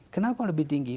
kenapa lebih tinggi